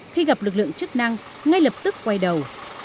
khi gặp lực lượng chức năng ngay lập tức quay đầu